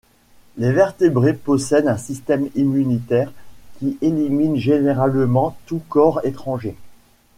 Les vertébrés possèdent un système immunitaire qui élimine généralement tous corps étrangers.